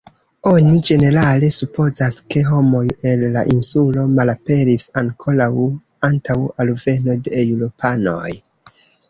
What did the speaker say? Oni ĝenerale supozas, ke homoj el la insulo malaperis ankoraŭ antaŭ alveno de Eŭropanoj.